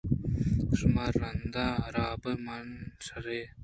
شما رندا حراب ماں شِردئے